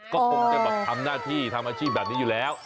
ก็คงจะแบบทำหน้าที่ทำอาชีพแบบนี้อยู่แล้ว